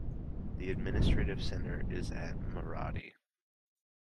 The administrative center is at Maradi.